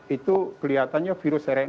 itu kelihatannya virus rna ini masih ada